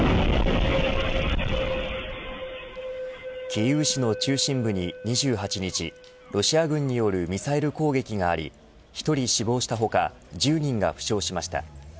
キーウ市の中心部に２８日ロシア軍によるミサイル攻撃があり１人死亡した他１０人が負傷しました。